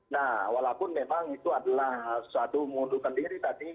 nah walaupun memang itu adalah sesuatu mundurkan diri tadi